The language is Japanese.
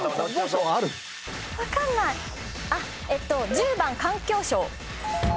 １０番環境省。